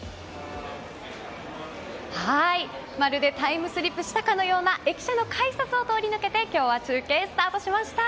まるでタイムスリップしたかのような駅舎の改札を通り抜けて今日は中継スタートしました。